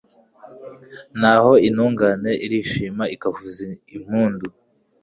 naho intungane irishima ikavuza impundu